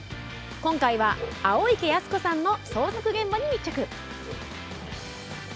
今回は青池保子さんの創作現場に密着。